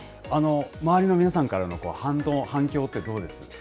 周りの皆さんからの反応、反響ってどうですか？